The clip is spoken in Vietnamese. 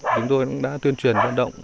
chúng tôi đã tuyên truyền vận động